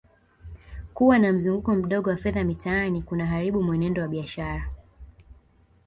Kuwa na mzunguko mdogo wa fedha mitaani kunaharibu mwenendo wa biashara